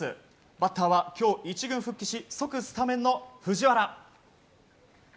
バッターは今日１軍復帰し即スタメンの藤原。